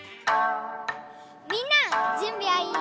みんなじゅんびはいい？